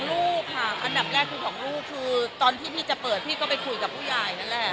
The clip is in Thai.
ลูกค่ะอันดับแรกคือของลูกคือตอนที่พี่จะเปิดพี่ก็ไปคุยกับผู้ใหญ่นั่นแหละ